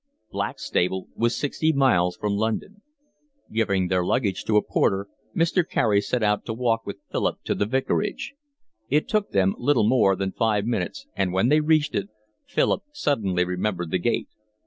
Blackstable was sixty miles from London. Giving their luggage to a porter, Mr. Carey set out to walk with Philip to the vicarage; it took them little more than five minutes, and, when they reached it, Philip suddenly remembered the gate.